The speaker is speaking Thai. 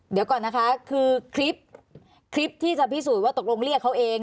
เดี๋ยวก่อนนะคะคือคลิปที่จะพิสูจน์ว่าตกลงเรียกเขาเอง